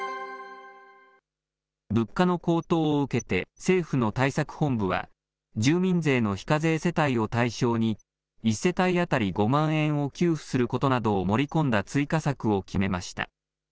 物価の高騰を受けて、政府の対策本部は、住民税の非課税世帯を対象に、１世帯当たり５万円を給付することなどを盛り込んだ追加策を決めました。